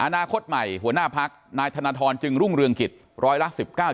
อนาคตใหม่หัวหน้าพักนายธนทรจึงรุ่งเรืองกิจร้อยละ๑๙